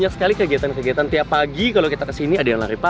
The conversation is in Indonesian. yang mendekati ke malaysia ya